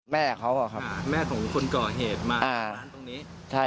แม่เขาอะครับแม่ของคนก่อเหตุมาร้านตรงนี้ใช่